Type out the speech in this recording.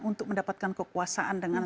untuk mendapatkan kekuasaan dengan